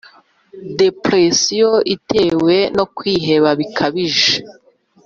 depression iterwa nokwiheba bikabije